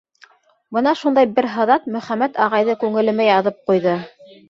Бына шундай бер һыҙат Мөхәммәт ағайҙы күңелемә яҙып ҡуйҙы.